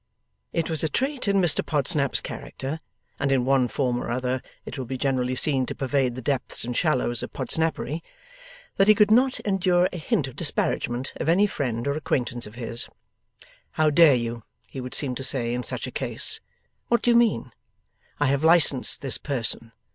It was a trait in Mr Podsnap's character (and in one form or other it will be generally seen to pervade the depths and shallows of Podsnappery), that he could not endure a hint of disparagement of any friend or acquaintance of his. 'How dare you?' he would seem to say, in such a case. 'What do you mean? I have licensed this person.